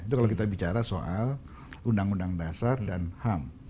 itu kalau kita bicara soal undang undang dasar dan ham